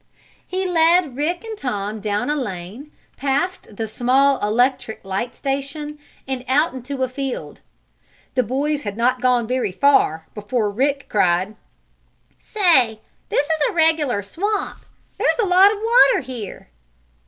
He led Rick and Tom down a lane, past the small electric light station, and out into the field. The boys had not gone very far before Rick cried: "Say this is a regular swamp! There's a lot of water here!"